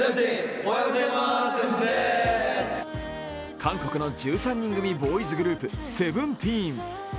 韓国の１３人組ボーイズグループ・ＳＥＶＥＮＴＥＥＮ。